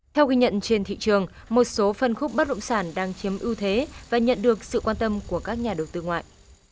theo ghi nhận trên thị trường một số phân khúc bất động sản đang chiếm ưu thế và nhận được sự quan tâm của các nhà đầu tư ngoại